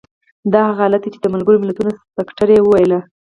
دا هغه حالت دی چې د ملګرو ملتونو سکتر یې وویل.